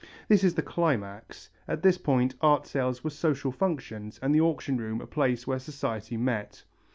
This is the climax; at this point art sales were social functions and the auction room a place where society met.